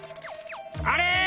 あれ！？